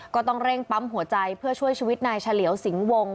ก็ต้องเร่งปั๊มหัวใจเพื่อช่วยชีวิตนายเฉลียวสิงหวง